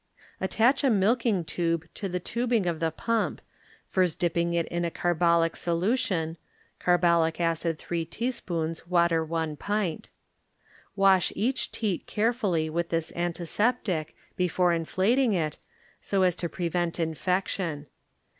Attach a milking tube to the tubing of the ^ump, first dipping it in a carbolic solution (carbolic acid three teaspoons, water one pint). Wash each teat care fully with this antiseptic, before inflat ing it, so as to prevent infection.